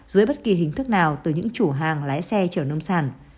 dưới bất kỳ hình thức nào từ những chủ hàng lái xe chở nông sản